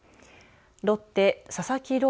ロッテ佐々木朗